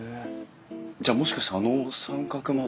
じゃあもしかしてあの三角窓。